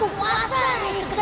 gurumu tidak akan bisa menentu